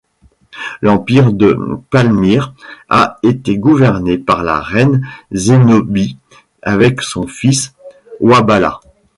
L'empire de Palmyre a été gouverné par la reine Zénobie avec son fils Wahballat.